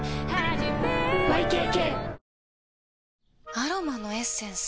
アロマのエッセンス？